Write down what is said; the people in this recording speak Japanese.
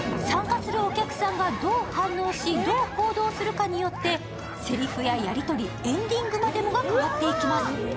参加するお客さんがどう反応しどう行動するかによってせりふややりとり、エンディングまでもが変わってきます。